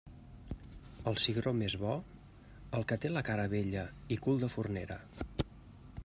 El cigró més bo, el que té la cara vella i cul de fornera.